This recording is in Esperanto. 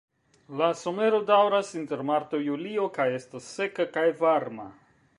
La somero daŭras inter marto-julio kaj estas seka kaj varma.